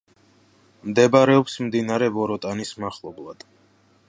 მდებარეობს მდინარე ვოროტანის მახლობლად.